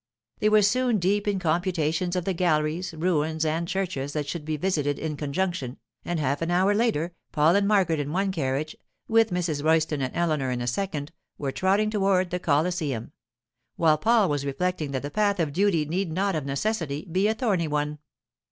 They were soon deep in computations of the galleries, ruins, and churches that should be visited in conjunction, and half an hour later, Paul and Margaret in one carriage, with Mrs. Royston and Eleanor in a second, were trotting toward the Colosseum; while Paul was reflecting that the path of duty need not of necessity be a thorny one.